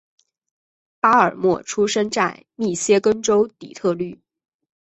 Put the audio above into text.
巴尔默出生在密歇根州底特律。